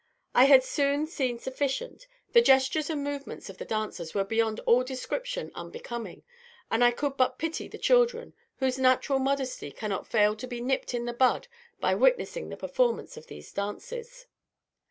I had soon seen sufficient; the gestures and movements of the dancers were beyond all description unbecoming, and I could but pity the children, whose natural modesty cannot fail to be nipped in the bud by witnessing the performance of these dances.